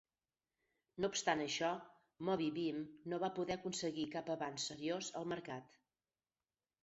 No obstant això, MovieBeam no va poder aconseguir cap avanç seriós al mercat.